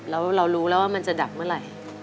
แล้วเรารู้แล้วว่ามันจะดับเมื่อไหร่